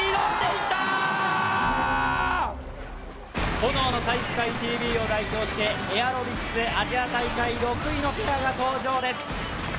「炎の体育会ＴＶ」を代表して、エアロビクスアジア大会６位の２人が登場です。